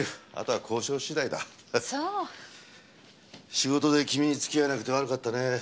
仕事で君に付き合えなくて悪かったね。